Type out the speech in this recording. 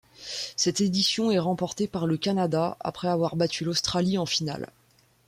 Cette édition est remportée par le Canada, après avoir battu l'Australie en finale.